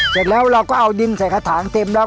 เสร็จแล้วเราก็เอาดินใส่กระถางเต็มแล้ว